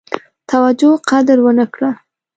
توجه قدر ونه کړه.